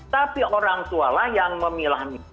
tapi orang tua lah yang memilah milah